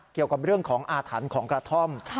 เกี่ยวกับเรื่องของอาถรรพ์ของกระท่อม